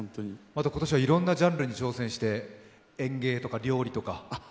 今年はいろんなジャンルに挑戦して、園芸とか料理とか。